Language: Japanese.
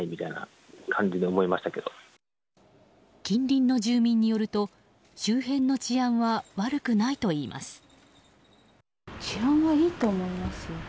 近隣の住民によると周辺の治安は悪くないといいます。